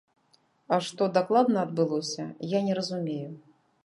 А што дакладна адбылося, я не разумею.